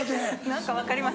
何か分かります。